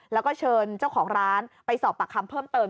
แล้วก็เชิญเจ้าของร้านไปสอบปากคำเพิ่มเติม